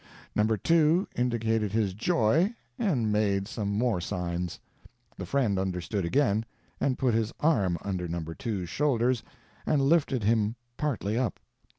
No. 2 indicated his joy, and made some more signs; the friend understood again, and put his arm under No. 2's shoulders and lifted him partly up.